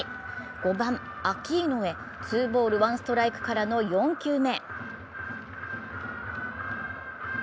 ５番・アキーノへツーボール・ワンストライクからの４球目。